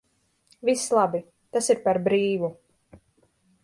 Viss labi, tas ir par brīvu.